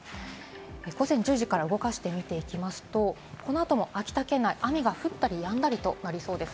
午前１０時から動かして見ていきますと、この後も秋田県内、雨が降ったり、やんだりとなりそうです。